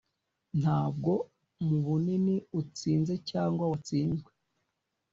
ntabwo mubunini utsinze cyangwa watsinzwe -